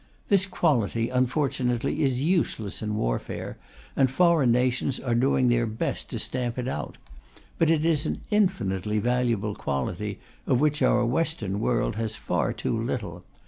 This quality, unfortunately, is useless in warfare, and foreign nations are doing their best to stamp it out. But it is an infinitely valuable quality, of which our Western world has far too little.